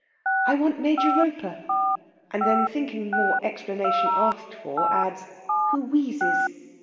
"I want Major Roper" and then, thinking more explanation asked for, adds "who wheezes."